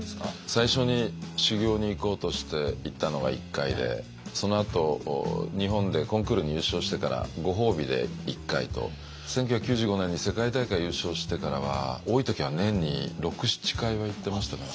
最初に修行に行こうとして行ったのが１回でそのあと日本でコンクールに優勝してからご褒美で１回と１９９５年に世界大会優勝してからは多い時は年に６７回は行ってましたね。